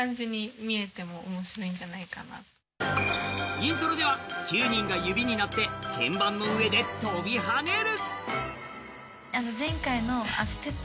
イントロでは９人が指になって鍵盤の上で飛び跳ねる。